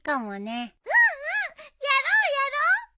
うんうんやろうやろう。